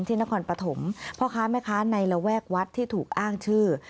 นครปฐมพ่อค้าแม่ค้าในระแวกวัดที่ถูกอ้างชื่อ